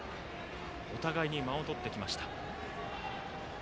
お互いに間をとってきました。